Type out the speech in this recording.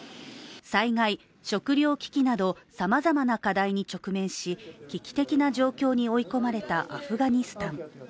災害、食糧危機などさまざまな課題に直面し危機的な状況に追い込まれたアフガニスタン。